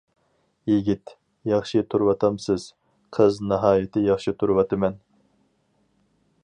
يىگىت: ياخشى تۇرۇۋاتامسىز؟ قىز: ناھايىتى ياخشى تۇرۇۋاتىمەن.